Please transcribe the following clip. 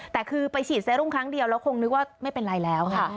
แต่คือไปฉีดเซรุมครั้งเดียวแล้วคงนึกว่าไม่เป็นไรแล้วค่ะ